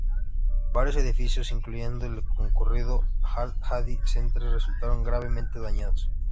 Varios edificios, incluyendo el concurrido "al-Hadi Centre", resultaron gravemente dañados.